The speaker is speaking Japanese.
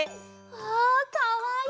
わあかわいい！